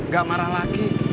gak marah lagi